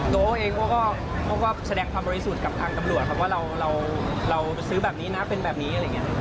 โอ๊เองเขาก็แสดงความบริสุทธิ์กับทางตำรวจครับว่าเราจะซื้อแบบนี้นะเป็นแบบนี้อะไรอย่างนี้